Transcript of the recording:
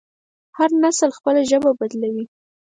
هر نسل خپله ژبه بدلوي.